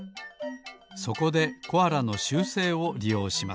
そこでコアラの習性をりようします。